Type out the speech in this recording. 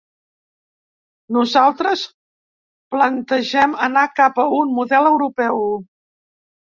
Nosaltres plantegem anar cap a un model europeu.